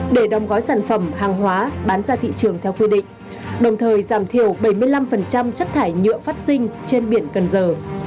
để đong gói sản phẩm hàng hóa bán ra thị trường theo quy định đồng thời giảm thiểu bảy mươi năm chất thải nhựa phát sinh trên biển cần giờ